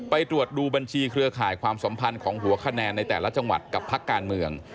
ไปตรวจดูบัญชีเครือข่ายความสัมพันธ์ของหัวคะแนนในแต่ละจังหวัดกับพักการเมือง